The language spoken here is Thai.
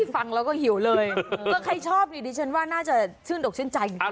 ฟังแล้วก็หิวเลยก็ใครชอบนี่ดิฉันว่าน่าจะชื่นอกชื่นใจจริง